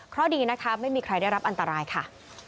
เพราะดีนะคะไม่มีใครได้รับอันตรายค่ะ